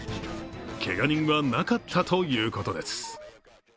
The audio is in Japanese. けが人はなかったということです。